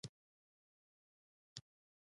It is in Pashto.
سلطنتي دربارونه فلج شول.